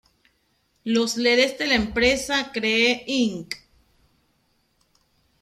Los ledes de la empresa Cree Inc.